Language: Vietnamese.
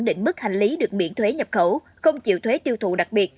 định mức hành lý được miễn thuế nhập khẩu không chịu thuế tiêu thụ đặc biệt